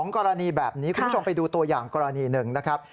กรณีแบบนี้คุณผู้ชมไปดูตัวอย่างกรณีหนึ่งนะครับ